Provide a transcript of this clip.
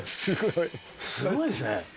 すごいですね。